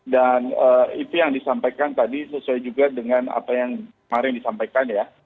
dan itu yang disampaikan tadi sesuai juga dengan apa yang kemarin disampaikan ya